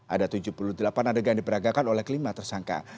ada tujuh puluh delapan adegan diperagakan oleh kelima tersangka